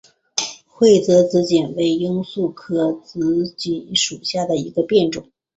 会泽紫堇为罂粟科紫堇属下的一个变种。